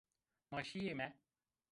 Ma şîyîme.